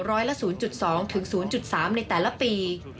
ร้อยละ๐๒๐๓ในแต่ละปี